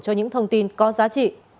cho những thông tin có giá trị